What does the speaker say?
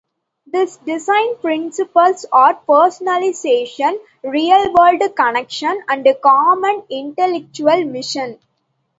These design principles are personalization, real-world connection, and common intellectual mission.